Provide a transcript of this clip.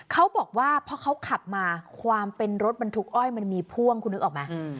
เขาบอกว่าพอเขาขับมาความเป็นรถบรรทุกอ้อยมันมีพ่วงคุณนึกออกไหม